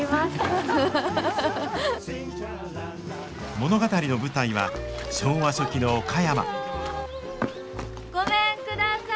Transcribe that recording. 物語の舞台は昭和初期の岡山ごめんください。